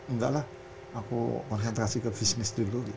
enggak lah aku konsentrasi ke bisnis dulu